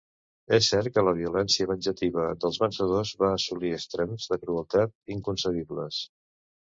És cert que la violència venjativa dels vencedors va assolir extrems de crueltat inconcebibles.